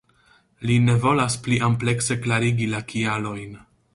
Li ne volas pli amplekse klarigi la kialojn.